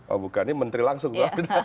oh bukan ini menteri langsung